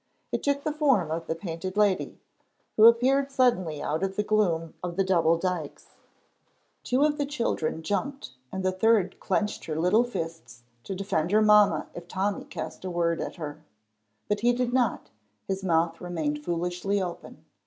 It took the form of the Painted Lady, who appeared suddenly out of the gloom of the Double Dykes. Two of the children jumped, and the third clenched her little fists to defend her mamma if Tommy cast a word at her. But he did not; his mouth remained foolishly open.